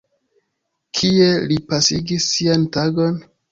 Kie li pasigis sian tagon?